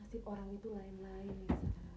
nasi orang itu lain lain nisa